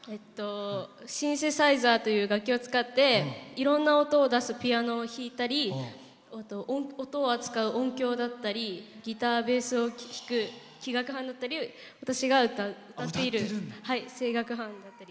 シンセサイザーという楽器を使っていろんな音を出すピアノを弾いたり音を扱う音響だったりギター、ベースを弾く私が歌っている声楽だったり。